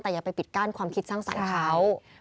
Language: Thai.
แต่อย่าไปปิดกั้นความคิดสร้างสรรค์เขา